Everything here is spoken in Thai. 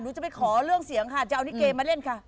จะไปขอเรื่องเสียงค่ะจะเอาลิเกมาเล่นค่ะ